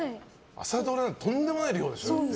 朝ドラ、とんでもない量でしょ。